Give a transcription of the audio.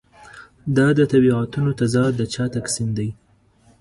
دا د طبیعتونو تضاد د چا تقسیم دی.